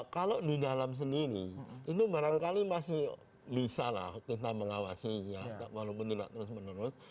kalau di dalam sendiri itu barangkali masih bisa lah kita mengawasi ya walaupun tidak terus menerus